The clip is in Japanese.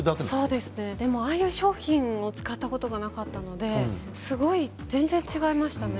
でも、ああいう商品を使ったことがなかったので全然、違いましたね。